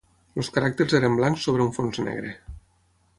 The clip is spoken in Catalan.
Els caràcters eren blancs sobre un fons negre.